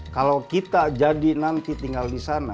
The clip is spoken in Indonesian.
kalau kita jadi nanti tinggal di sana